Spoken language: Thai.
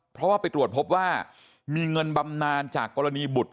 เพราะว่าไปตรวจพบว่ามีเงินบำนานจากกรณีบุตร